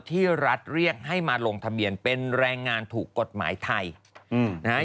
ที่รัฐเรียกให้มาลงทะเบียนเป็นแรงงานถูกกฎหมายไทยนะฮะ